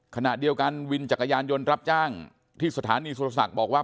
ขณะเดียวกันวินจักรยานยนต์รับจ้างที่สถานีสุรศักดิ์บอกว่า